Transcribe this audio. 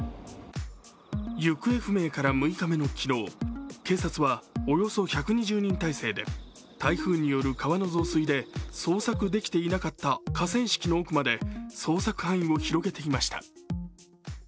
行方不明から６日目の昨日警察はおよそ１２０人態勢で台風による川の増水で捜索できていなかった河川敷の奥まで捜索範囲を広げていました。